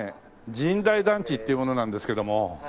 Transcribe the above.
神代団地っていう者なんですけども。